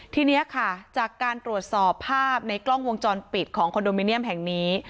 ทีนี้ค่ะจากการตรวจสอบภาพในกล้องวงจรปิดของคอนโดมิเนียมแห่งนี้